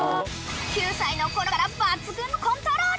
９歳のころから抜群のコントロール。